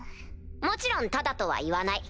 もちろんタダとは言わない。